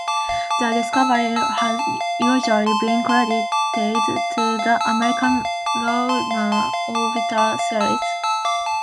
Their discovery has usually been credited to the American Lunar Orbiter series.